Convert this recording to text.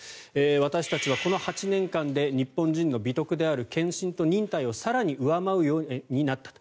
私はこの８年間で日本人の美徳である献身と忍耐を更に敬うようになったと。